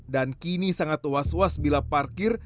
dan kini sangat was was bila parkir